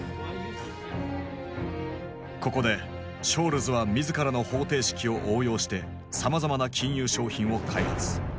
ここでショールズは自らの方程式を応用してさまざまな金融商品を開発。